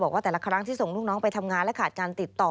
ว่าแต่ละครั้งที่ส่งลูกน้องไปทำงานและขาดการติดต่อ